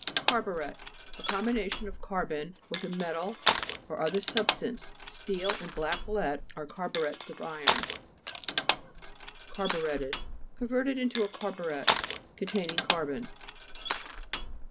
CAR'BURET A combination of car bon with a metal or other sub stance ; steel and black lead are carburets of iron. CAR'BUHETTED Converted into a carburet ; containing carbon.